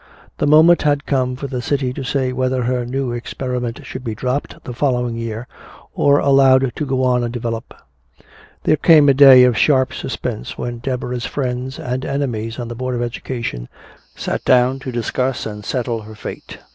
The moment had come for the city to say whether her new experiment should be dropped the following year or allowed to go on and develop. There came a day of sharp suspense when Deborah's friends and enemies on the Board of Education sat down to discuss and settle her fate.